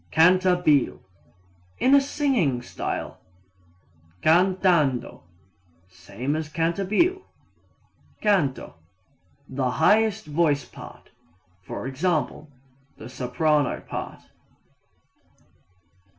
Cantabile in a singing style. Cantando same as cantabile. Canto the highest voice part; i.e., the soprano part.